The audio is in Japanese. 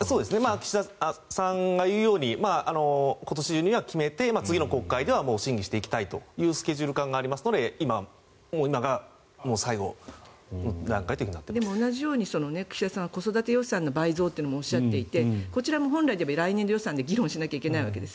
岸田さんが言うように今年中には決めて次の国会では審議していきたいというスケジュール感があるので同じように岸田さんは子育て予算の倍増ともおっしゃっていてこちらも本来は来年度予算で議論しなきゃいけないわけです。